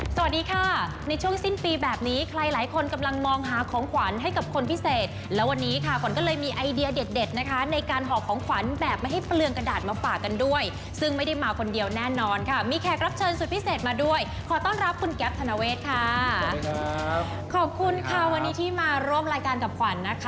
สวัสดีค่ะในช่วงสิ้นปีแบบนี้ใครหลายคนกำลังมองหาของขวัญให้กับคนพิเศษแล้ววันนี้ค่ะขวัญก็เลยมีไอเดียเด็ดเด็ดนะคะในการหอบของขวัญแบบไม่ให้เปลืองกระดาษมาฝากกันด้วยซึ่งไม่ได้มาคนเดียวแน่นอนค่ะมีแขกรับเชิญสุดพิเศษมาด้วยขอต้อนรับคุณแก๊ปธนเวทค่ะขอบคุณค่ะวันนี้ที่มาร่วมรายการกับขวัญนะคะ